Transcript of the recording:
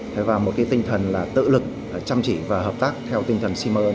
thế và một cái tinh thần là tự lực chăm chỉ và hợp tác theo tinh thần sim ơn